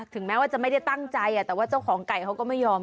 แม้ว่าจะไม่ได้ตั้งใจแต่ว่าเจ้าของไก่เขาก็ไม่ยอม